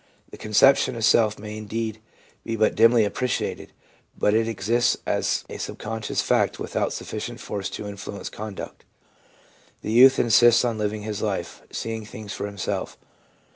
The conception of self may indeed be but VIEW OF THE LINE OF RELIGIOUS GROWTH 397 dimly appreciated, but it exists as a sub conscious fact with sufficient force to influence conduct. The youth insists on living his life, seeing things for himself.